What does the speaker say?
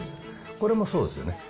これもそうですよね。